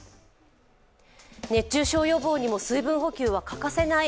熱中症予防にも水分補給は欠かせない。